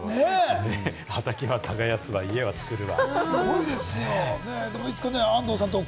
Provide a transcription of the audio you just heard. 畑は耕すわ、家は作るわ。